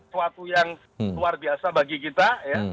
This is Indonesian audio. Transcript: suatu yang luar biasa bagi kita